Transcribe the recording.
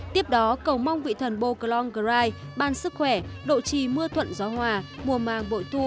tiếp đó cầu mong vị thần boclong gride ban sức khỏe độ trì mưa thuận gió hòa mùa màng bội thu